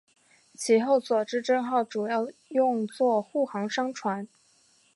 此后佐治镇号主要用作护航商船。